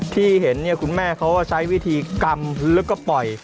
ที่เห็นเนี่ยคุณแม่เขาก็ใช้วิธีกำแล้วก็ปล่อย